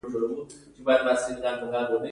د رادیواکتیو تحلیل الفا، بیټا او ګاما تولیدوي.